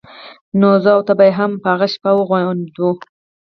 نو زه او ته به يې هم په هغه شپه واغوندو.